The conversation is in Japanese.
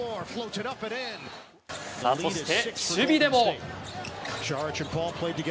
そして、守備でも。